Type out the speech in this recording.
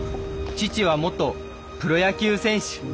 父は元プロ野球選手。